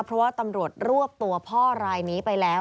เพราะว่าตำรวจรวบตัวพ่อรายนี้ไปแล้ว